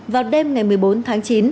vào đêm ngày một mươi bốn tháng chín